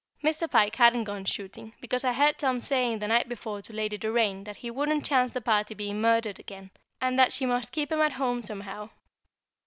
Mr. Pike hadn't gone shooting, because I heard Tom saying the night before to Lady Doraine that he wouldn't chance the party being murdered again, and that she must keep him at home somehow.